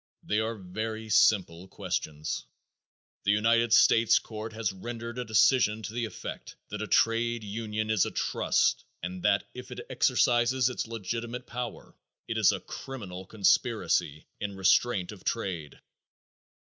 They are very simple questions. The United States court has rendered a decision to the effect that a trade union is a trust and that if it exercises its legitimate powers it is a criminal conspiracy in restraint of trade.